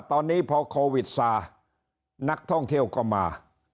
ตอนนี้พอโควิดซานักท่องเที่ยวก็มา